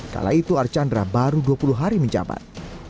kala itu archandra baru dua puluh hari menjabat